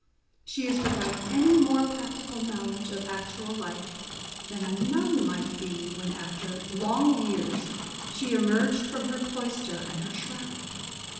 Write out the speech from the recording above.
. She is with out any more practical knowledge of actual life than a nun might be when after long years she emerged from her cloister and her shroud."